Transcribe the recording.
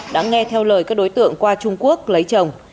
đã nghe theo lời các đối tượng qua trung quốc lấy chồng